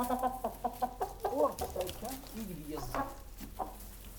teqqur tferka ideg yeẓẓa